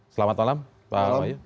selamat malam pak wahyu